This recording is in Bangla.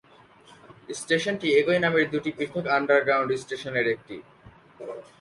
স্টেশনটি একই নামের দুটি পৃথক আন্ডারগ্রাউন্ড স্টেশনের একটি।